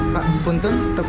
satu porsi tongseng